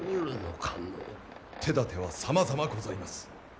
手だてはさまざまございます。